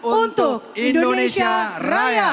untuk indonesia raya